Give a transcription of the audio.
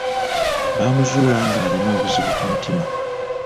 Baamuzuula ng'alina obuzibu ku mutima.